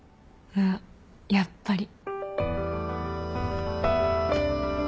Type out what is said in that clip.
あっやっぱり。